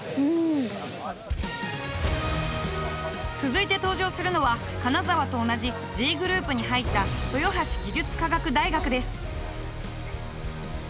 続いて登場するのは金沢と同じＧグループに入った豊橋技術科学大学です。